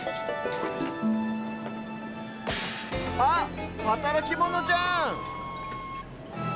あっはたらきモノじゃん！